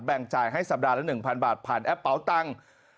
จ่ายให้สัปดาห์ละ๑๐๐บาทผ่านแอปเป๋าตังค์